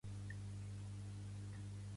Pertany al moviment independentista el Facun?